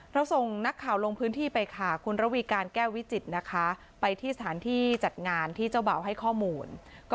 ส่งนักข่าวลงพื้นที่ไปค่ะคุณระวีการแก้ววิจิตรนะคะไปที่สถานที่จัดงานที่เจ้าบ่าวให้ข้อมูล